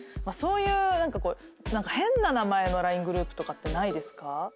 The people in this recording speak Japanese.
そういう変な名前のＬＩＮＥグループとかってないですか？